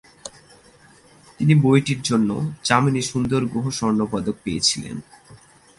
তিনি বইটির জন্য যামিনী সুন্দর গুহ স্বর্ণপদক পেয়েছিলেন।